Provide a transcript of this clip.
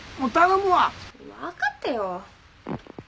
分かったよ。